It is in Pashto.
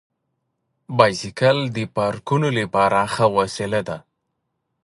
بایسکل د پارکونو لپاره ښه وسیله ده.